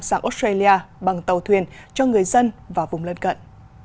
sang australia bằng tàu thuyền cho người dân và vùng lân cận